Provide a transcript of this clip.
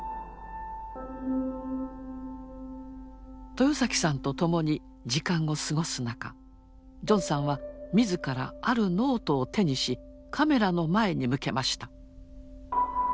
豊さんと共に時間を過ごす中ジョンさんは自らあるノートを手にしカメラの前に向けました。